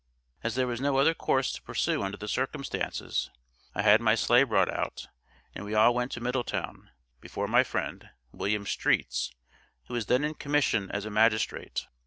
As there was no other course to pursue under the circumstances, I had my sleigh brought out, and we all went to Middletown, before my friend, William Streets, who was then in commission as a magistrate.